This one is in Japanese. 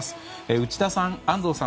内田さん、安藤さん